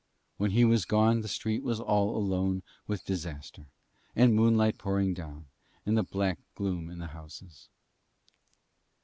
When he was gone the street was all alone with disaster, and moonlight pouring down, and the black gloom in the houses.